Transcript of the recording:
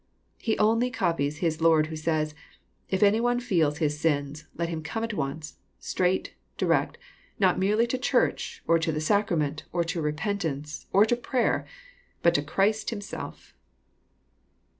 He only copies his Lord who says, '* If any one feels his sins, let him come at once, straight, direct, not merely to church, or to the sacrament, or to repentance, or to prayer, but to Christ Himself.